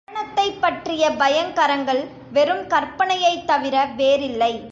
மரணத்தைப் பற்றிய பயங்கரங்கள் வெறும் கற்பனையைத் தவிர வேறில்லை.